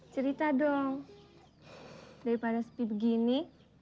cerita dong daripada sepi begini